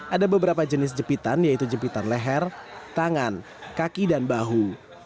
ada beberapa jenis jepitan yaitu jepitan leher tangan kaki dan bahu